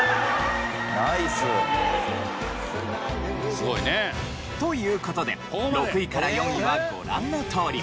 すごいね。という事で６位から４位はご覧のとおり。